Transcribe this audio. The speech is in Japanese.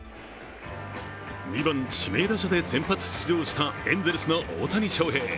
２番・指名打者で先発出場したエンゼルスの大谷翔平。